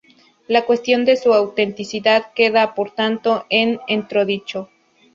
La cuestión de su autenticidad queda, por tanto, en entredicho.